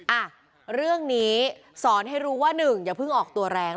อ่ะเรื่องนี้สอนให้รู้ว่าหนึ่งอย่าเพิ่งออกตัวแรง